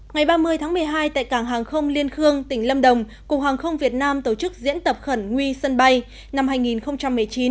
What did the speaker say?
ngày ba mươi tháng một mươi hai tại cảng hàng không liên khương tỉnh lâm đồng cục hàng không việt nam tổ chức diễn tập khẩn nguy sân bay năm hai nghìn một mươi chín